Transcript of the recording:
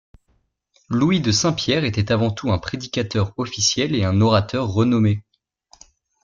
Louis de Saint Pierre était avant tout un prédicateur officiel et un orateur renommé.